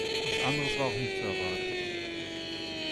Was anderes war auch nicht zu erwarten.